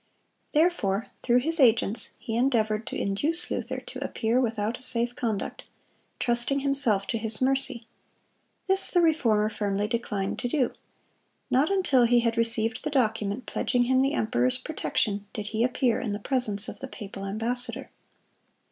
Therefore through his agents he endeavored to induce Luther to appear without a safe conduct, trusting himself to his mercy. This the Reformer firmly declined to do. Not until he had received the document pledging him the emperor's protection, did he appear in the presence of the papal ambassador.